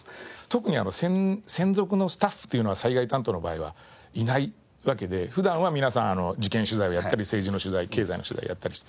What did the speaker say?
特に専属のスタッフっていうのは災害担当の場合はいないわけで普段は皆さん事件取材をやったり政治の取材経済の取材をやったりする。